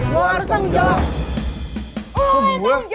lo harus tanggung jawab